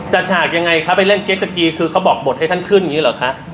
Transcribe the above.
ฉากยังไงคะไปเล่นเกสสกีคือเขาบอกบทให้ท่านขึ้นอย่างนี้เหรอคะ